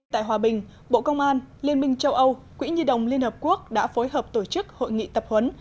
tại hòa bình bộ công an liên minh châu âu quỹ nhi đồng liên hợp quốc đã phối hợp tổ chức hội nghị tập huấn